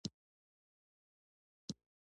معایناتو ښوده چې د اشلي کیسه